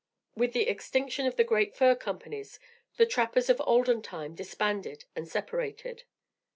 With the extinction of the great fur companies, the trappers of "Olden Time" disbanded and separated.